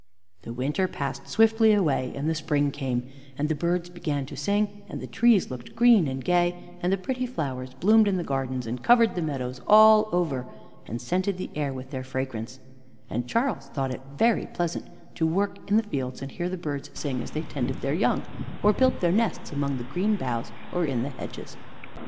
The winter passed swiftly away, and the spring came, and the birds began to sing, and the trees looked green and gay, and the pretty flowers bloomed in the gardens and covered the meadows all over, and scented the air with their fragrance, and Charles thought it very pleasant to work in the fields, and hear the birds sing as they tended their young, or built their nests among the green boughs or in the hedges.